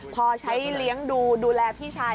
พอใช้เลี้ยงดูดูแลพี่ชาย